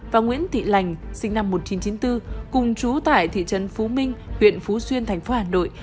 và nguyễn thị lành sinh năm một nghìn chín trăm chín mươi bốn cùng chú tại thị trấn phú minh huyện phú xuyên thành phố hà nội